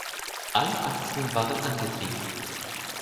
Alle Achsen waren angetrieben.